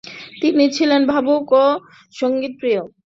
তিনি ছিলেন ভাবুক এবং সঙ্গীতপ্রিয়।